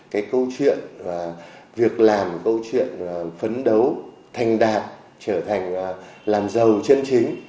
cái câu chuyện việc làm câu chuyện phấn đấu thành đạt trở thành làm giàu chân chính